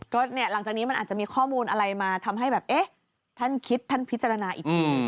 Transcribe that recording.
ก็เนี่ยหลังจากนี้มันอาจจะมีข้อมูลอะไรมาทำให้แบบเอ๊ะท่านคิดท่านพิจารณาอีกที